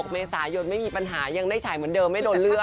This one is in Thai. เมษายนไม่มีปัญหายังได้ฉายเหมือนเดิมไม่โดนเลือก